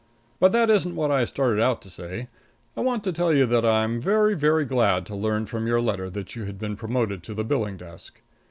But that isn't what I started out to say. I want to tell you that I was very, very glad to learn from your letter that you had been promoted to the billing desk.